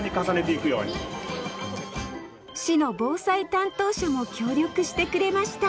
市の防災担当者も協力してくれました